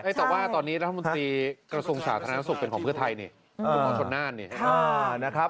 แต่ว่าตอนนี้รัฐมนตรีกระทรวงฉาธารณสุขเป็นของเพื่อไทยคุณหมอชนาน